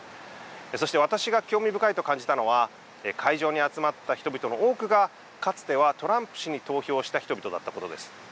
そして私が興味深いと感じたのは会場に集まった人々の多くがかつてはトランプ氏に投票した人々だったことです。